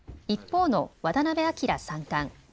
一方の渡辺明三冠。